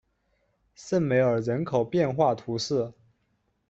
圣梅尔人口变化图示